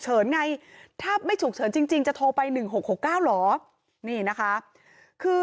ไงถ้าไม่ฉุกเฉินจริงจะโทรไป๑๖๖๙เหรอนี่นะคะคือ